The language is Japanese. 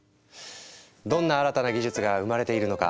どんな新たな技術が生まれているのか？